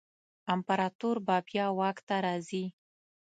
امپراتور به بیا واک ته راځي.